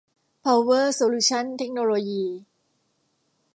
เพาเวอร์ โซลูชั่น เทคโนโลยี